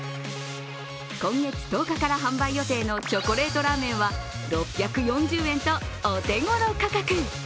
今月１０日から販売予定のチョコレートらーめんは６４０円とお手頃価格。